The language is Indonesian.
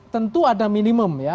tentu ada minimum ya